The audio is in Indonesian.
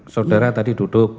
saudara tadi duduk